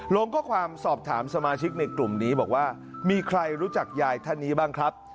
ลงข้อความสอบถามสมาชิกในกลุ่มนี้บอกว่ามีใครรู้จักยายท่านนี้บ้างครับ